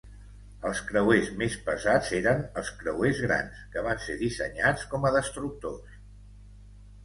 Els creuers més pesats eren els creuers grans, que van ser dissenyats com a destructors.